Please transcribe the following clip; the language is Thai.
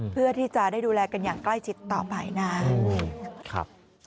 เพื่อที่จะได้ดูแลกันอย่างใกล้ชิดต่อไปนะครับ